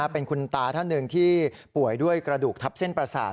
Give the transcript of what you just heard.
เป็นคุณตาท่านหนึ่งที่ป่วยด้วยกระดูกทับเส้นประสาท